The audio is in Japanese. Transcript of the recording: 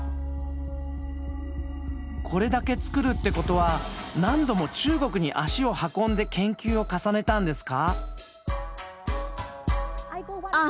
これだけ作るってことは何度も中国に足を運んで研究を重ねたんですか？